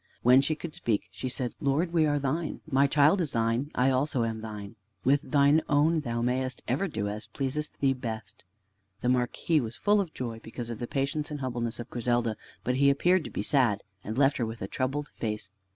When she could speak, she said: "Lord, we are thine! My child is thine. I also am thine. With thine own thou mayest ever do as pleaseth thee best." The Marquis was full of joy because of the patience and humbleness of Griselda; but he appeared to be sad, and left her with a troubled face.